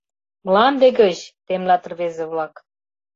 — Мланде гыч! — темлат рвезе-влак.